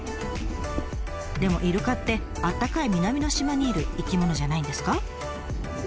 でもイルカってあったかい南の島にいる生き物じゃないんですか？